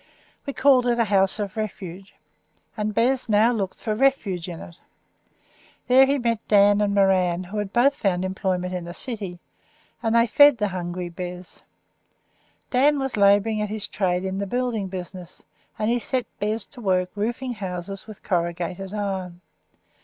We called it a house of refuge, and Bez now looked for refuge in it. There he met Dan and Moran, who had both found employment in the city, and they fed the hungry Bez. Dan was labouring at his trade in the building business, and he set Bez to work roofing houses with corrugated iron.